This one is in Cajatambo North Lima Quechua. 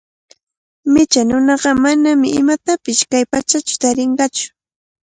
Micha nuna manami imatapish kay patsachaw tarinqatsu.